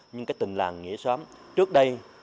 nhưng tình làng nghĩa xóm trước đây